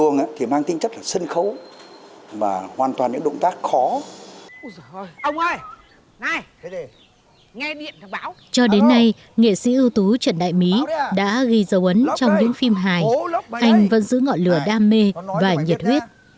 nghệ sĩ ưu tú trần đại mỹ đã ghi dấu ấn trong những phim hài anh vẫn giữ ngọn lửa đam mê và nhiệt huyết